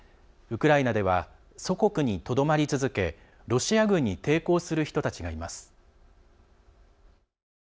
ウクライナでは祖国にとどまり続けロシア軍に抵抗する人たちがいます。